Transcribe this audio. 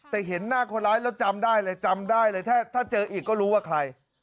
แต่เห็นหน้าคนร้ายแล้วจำได้เลยจำได้เลยถ้าเจออีกก็รู้ว่าใคร